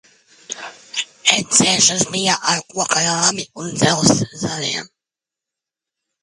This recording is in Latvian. Ecēšas bija ar koka rāmi un dzelzs zariem.